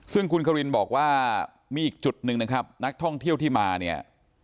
ซึ่งคุณครินบอกว่ามีอีกจุดหนึ่งนะครับนักท่องเที่ยวที่มาเนี่ย